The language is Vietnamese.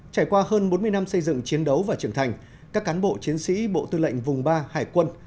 trải qua hơn bốn mươi năm xây dựng chiến đấu và trưởng thành các cán bộ chiến sĩ bộ tư lệnh vùng ba hải quân